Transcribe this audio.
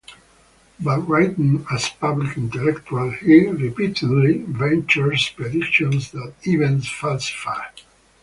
But writing as a public intellectual, he repeatedly ventures predictions that events falsify.